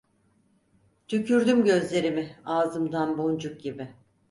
Tükürdüm gözlerimi ağzımdan boncuk gibi.